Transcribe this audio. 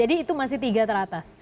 jadi itu masih tiga teratas